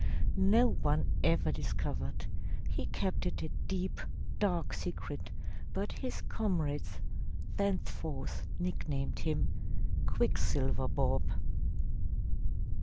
No one ever dis covered; he kept it a deep, dark secret, but his comrades thence forth nicknamed him "Quicksilver Bob."